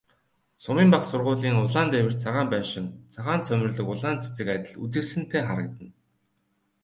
Сумын бага сургуулийн улаан дээвэрт цагаан байшин, цагаан цоморлог улаан цэцэг адил үзэсгэлэнтэй харагдана.